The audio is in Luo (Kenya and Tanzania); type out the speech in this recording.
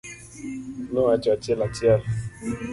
Nowacho achiel achiel.